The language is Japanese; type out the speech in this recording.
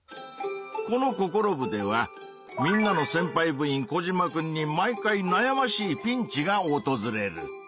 このココロ部ではみんなのせんぱい部員コジマくんに毎回なやましいピンチがおとずれる。